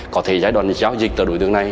có thể giai đoạn giao dịch cho đối tượng này